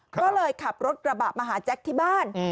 ก็เลยขับรถกระบะมาหาแจ๊คที่บ้าน